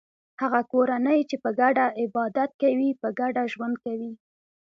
هغه کورنۍ چې په ګډه عبادت کوي په ګډه ژوند کوي.